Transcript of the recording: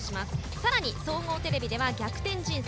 さらに総合テレビでは「逆転人生」。